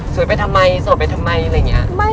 ไปทำไมโสดไปทำไมอะไรอย่างนี้